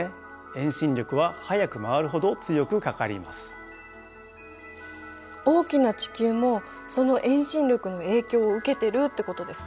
ところが大きな地球もその遠心力の影響を受けてるってことですか？